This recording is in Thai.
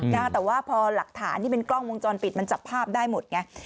แต่ว่าพอหลักฐานที่เป็นกล้องวงจรปิดมันจับภาพได้หมดไง